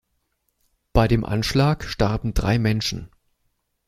Bei dem Anschlag starben drei Menschen.